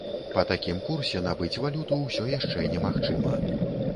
Па такім курсе набыць валюту ўсё яшчэ немагчыма.